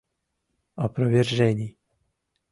— Опровержений.